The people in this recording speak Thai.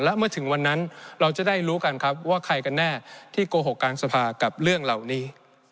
และเมื่อถึงวันนั้นเราจะได้รู้กันครับว่าใครกันแน่ที่โกหกกลางสภากับเรื่องเหล่านี้